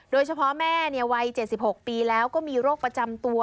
แม่วัย๗๖ปีแล้วก็มีโรคประจำตัว